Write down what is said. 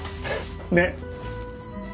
ねっ？